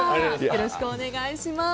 よろしくお願いします。